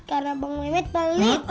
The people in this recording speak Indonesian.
karena bang mehmet belit